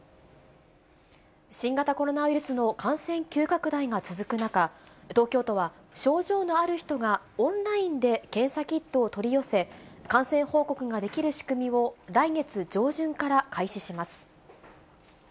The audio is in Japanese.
新型コロナウイルスの感染急拡大が続く中、東京都は症状のある人がオンラインで検査キットを取り寄せ、感染報告ができる仕組みを来月上旬から開始します。